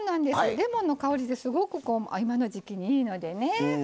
レモンの香りってすごく今の時季にいいのでね。